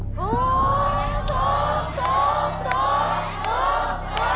โอ้โฮทุก